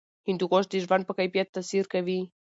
هندوکش د ژوند په کیفیت تاثیر کوي.